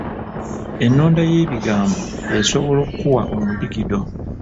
Ennonda y’ebigambo esobola okuwa omudigido